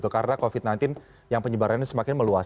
karena covid sembilan belas yang penyebarannya semakin meluas